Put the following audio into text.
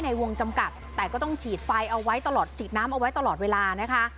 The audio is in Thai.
ในวงจำกัดแต่ก็ต้องฉีดไฟเอาไว้ตลอดฉีดน้ำเอาไว้ตลอดเวลานะคะ